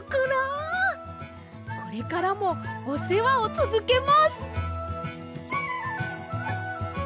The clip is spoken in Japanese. これからもおせわをつづけます！